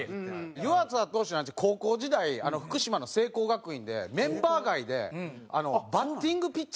湯浅投手なんて高校時代福島の聖光学院でメンバー外でバッティングピッチャーですよ。